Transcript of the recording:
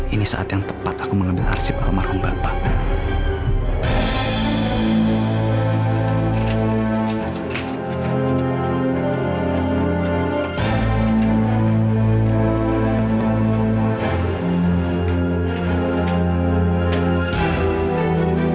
ini saat yang tepat aku mengambil arsip almarhum bapak